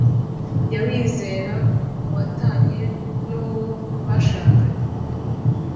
jya wizeza uwatanye n'uwo bashakanye